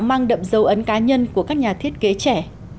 mang đậm dấu ấn cá nhân của các nhà thiết kế trẻ